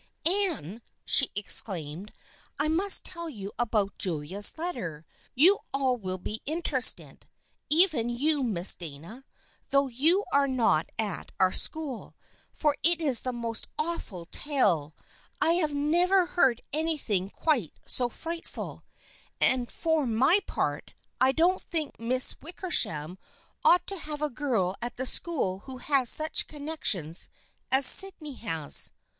" Anne/' she exclaimed, " I must tell you about Julia's letter ! You will all be interested, even you, Miss Dana, though you are not at our school, for it is the most awful tale ! I never have heard anything quite so frightful, and for my part, I don't think Miss Wickersham ought to have a girl at the school who has such connections as Sydney has."